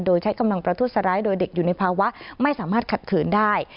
โดยใช้กำลังประทุษร้ายโดยเด็กอยู่ในภาวะไม่สามารถขัดขืนได้